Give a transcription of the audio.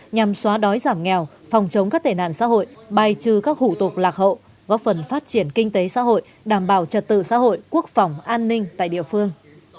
nhằm xóa đói giảm nghèo phòng chống các tệ nạn xã hội bài trừ các hủ tục lạc hậu góp phần phát triển kinh tế xã hội đảm bảo trật tự xã hội quốc phòng an ninh tại địa phương